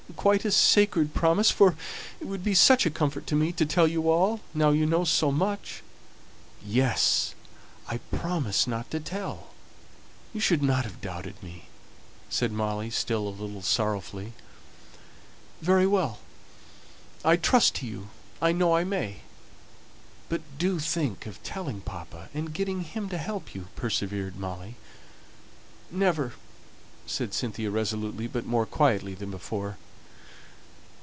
quite a sacred promise? for it would be such a comfort to me to tell you all, now you know so much." "Yes! I'll promise not to tell. You should not have doubted me," said Molly, still a little sorrowfully. "Very well. I trust to you. I know I may." "But do think of telling papa, and getting him to help you," persevered Molly. "Never," said Cynthia, resolutely, but more quietly than before.